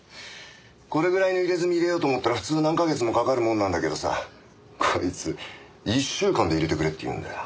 これぐらいの入れ墨入れようと思ったら普通何カ月もかかるもんなんだけどさこいつ１週間で入れてくれって言うんだよ。